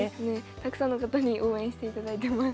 たくさんの方に応援していただいてます。